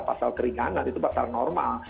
pasal keringanan itu pasal normal